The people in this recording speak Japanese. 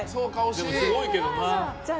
でも、すごいけどな。